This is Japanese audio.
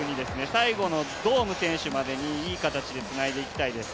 最後のドーム選手までにいい形でつないでいきたいです。